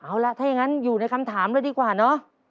เอาล่ะถ้าอย่างนั้นอยู่ในคำถามเลยดีกว่าเนอะ